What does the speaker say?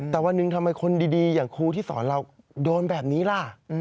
แต่วันหนึ่งทำไมคนดีอย่างครูที่สอนเราโดนแบบนี้ล่ะ